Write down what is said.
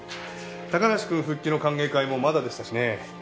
高梨くん復帰の歓迎会もまだでしたしね。